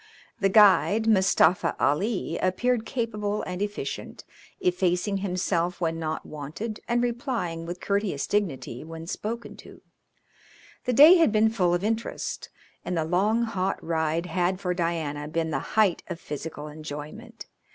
The guide, Mustafa Ali, appeared capable and efficient, effacing himself when not wanted and replying with courteous dignity when spoken to. The day had been full of interest, and the long, hot ride had for Diana been the height of physical enjoyment.